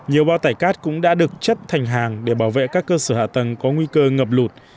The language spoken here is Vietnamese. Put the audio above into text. nhiều bao tải cát cũng đã được chất thành hàng để bảo vệ các cơ sở hạ tầng có nguy cơ ngập lụt